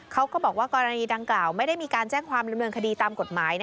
เขาก็บอกว่ากรณีดังกล่าวไม่ได้มีการแจ้งความดำเนินคดีตามกฎหมาย